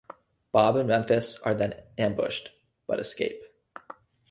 Bob and Memphis are then ambushed, but escape.